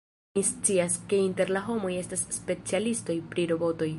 Mi scias, ke inter la homoj estas specialistoj pri robotoj.